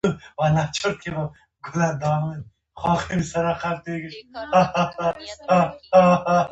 سړک په بدن کې د وینې د رګونو حیثیت لري